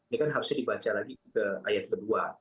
ini kan harusnya dibaca lagi ke ayat kedua